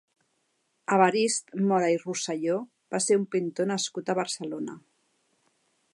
Evarist Móra i Rosselló va ser un pintor nascut a Barcelona.